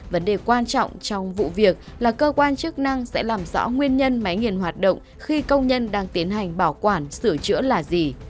vấn đề quan trọng trong vụ việc là cơ quan chức năng sẽ làm rõ nguyên nhân máy nghiền hoạt động khi công nhân đang tiến hành bảo quản sửa chữa là gì